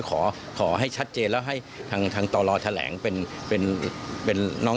ก็ขอให้ชัดเจนแล้วให้ทางตรแถลงเป็น